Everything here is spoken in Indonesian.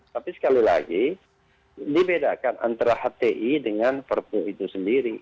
tapi sekali lagi dibedakan antara hti dengan perpu itu sendiri